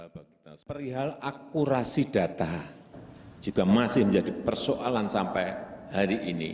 perihal akurasi data juga masih menjadi persoalan sampai hari ini